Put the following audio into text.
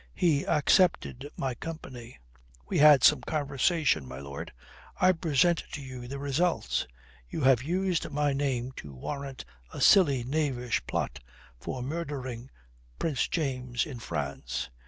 He accepted my company. We had some conversation, my lord. I present to you the results. You have used my name to warrant a silly, knavish plot for murdering Prince James in France.